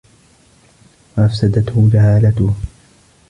وَأَفْسَدَتْهُ جَهَالَتُهُ